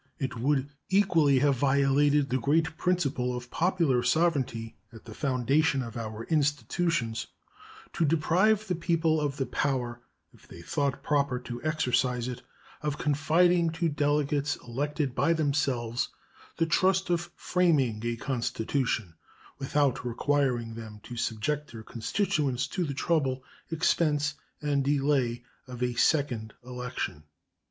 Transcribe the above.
It would equally have violated the great principle of popular sovereignty, at the foundation of our institutions, to deprive the people of the power, if they thought proper to exercise it, of confiding to delegates elected by themselves the trust of framing a constitution without requiring them to subject their constituents to the trouble, expense, and delay of a second election.